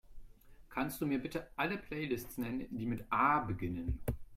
Kannst Du mir bitte alle Playlists nennen, die mit A beginnen?